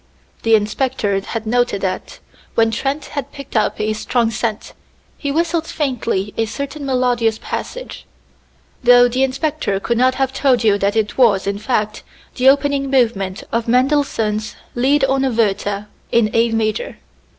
The inspector had noted that, when Trent had picked up a strong scent, he whistled faintly a certain melodious passage; though the inspector could not have told you that it was, in fact, the opening movement of Mendelssohn's Lied ohne Wörter in A major.